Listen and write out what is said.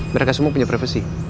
mereka semua punya privasi